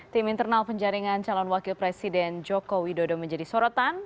tim internal penjaringan calon wakil presiden joko widodo menjadi sorotan